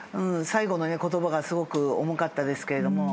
最期の言葉がすごく重かったですけど。